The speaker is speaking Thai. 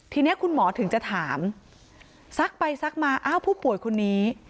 ทีนี้คุณหมอถึงจะถามซักไปซักมาอ้าวผู้ป่วยคนนี้